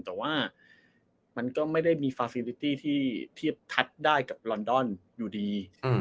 แต่ว่ามันก็ไม่ได้มีฟาฟิลิตี้ที่เทียบทัดได้กับลอนดอนอยู่ดี